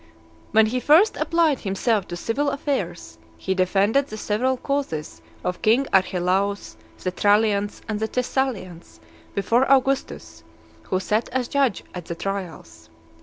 VIII. When he first applied himself to civil affairs, he defended the several causes of king Archelaus, the Trallians, and the Thessalians, before Augustus, who sat as judge at the trials.